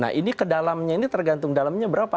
nah ini ke dalamnya ini tergantung dalamnya berapa